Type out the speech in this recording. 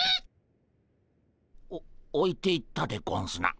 おおいていったでゴンスな。